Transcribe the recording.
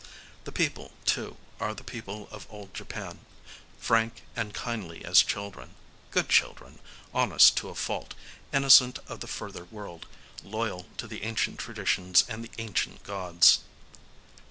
The people, too, are the people of Old Japan: frank and kindly as children—good children,—honest to a fault, innocent of the further world, loyal to the ancient traditions and the ancient gods.